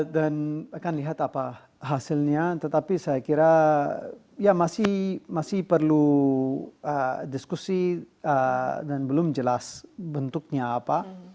dan akan lihat apa hasilnya tetapi saya kira ya masih perlu diskusi dan belum jelas bentuknya apa